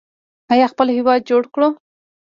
آیا خپل هیواد جوړ کړو؟